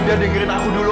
aida dengarin aku dulu